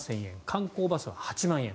観光バスは８万円。